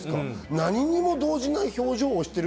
何にも動じない表情している。